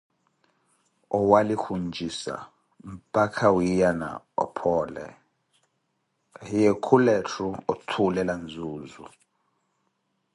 owali kiunjisa, mpaka wiiyana ophoole, kahiye khula etthu olaza nzuuzu.